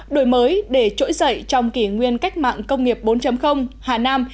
đổi mới để trỗi dậy trong kỷ nguyên cách mạng công nghiệp bốn hà nam